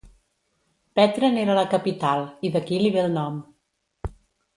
Petra n'era la capital, i d'aquí li ve el nom.